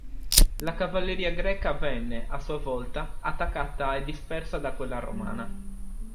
La cavalleria greca venne, a sua volta, attaccata e dispersa da quella romana.